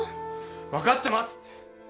分かってますって！